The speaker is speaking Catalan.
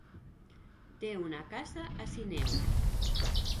Té una casa a Sineu.